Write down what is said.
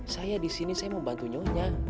saya disini saya mau bantu nyonya